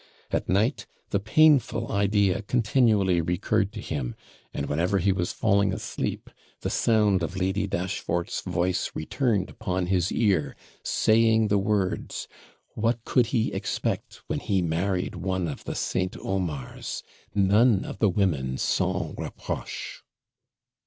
At night the painful idea continually recurred to him; and whenever he was falling asleep, the sound of Lady Dashfort's voice returned upon his ear, saying the words, 'What could he expect when he married one of the St. Omars? None of the women SANS REPROCHE.'